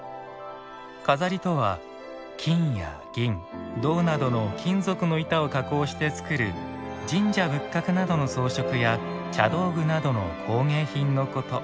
錺とは金や銀銅などの金属の板を加工して作る神社仏閣などの装飾や茶道具などの工芸品のこと。